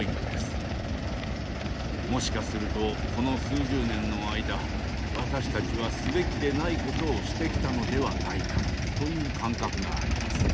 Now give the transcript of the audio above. もしかするとこの数十年の間私たちはすべきでないことをしてきたのではないかという感覚があります。